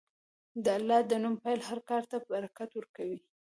د الله د نوم پیل هر کار ته برکت ورکوي.